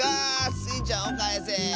スイちゃんをかえせ。